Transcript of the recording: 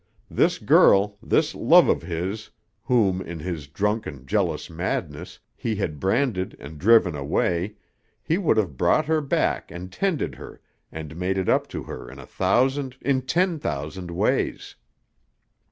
This girl, this love of his, whom, in his drunken, jealous madness, he had branded and driven away, he would have brought her back and tended her and made it up to her in a thousand, in ten thousand, ways.